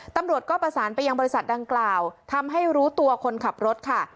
ตำรวจก็ประสานไปยังบริษัทดังกล่าวทำให้รู้ตัวคนขับรถค่ะ